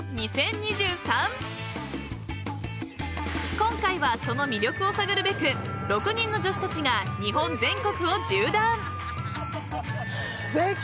［今回はその魅力を探るべく６人の女子たちが］絶景！